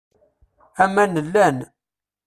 Aman llan.